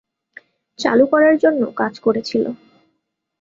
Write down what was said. চালু করার জন্য কাজ করেছিল।